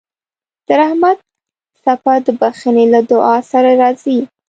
د رحمت څپه د بښنې له دعا سره راځي.